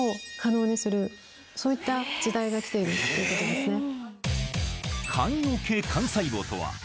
そういった時代が来ているっていうことですね。